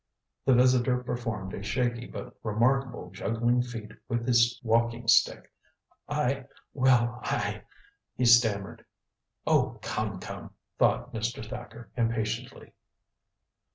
The visitor performed a shaky but remarkable juggling feat with his walking stick. "I well I " he stammered. Oh, come, come, thought Mr. Thacker impatiently.